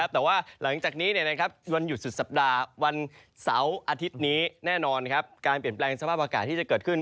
แต่ว่าหลังจากนี้วันหยุดสุดสัปดาห์วันเสาร์อาทิตย์นี้แน่นอน